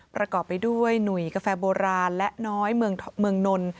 ประกอบไปด้วยหนุ่ยกาแฟโบราณและน้อยเมืองนน